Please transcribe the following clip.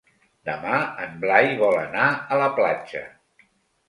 Demà en Blai vol anar a la platja.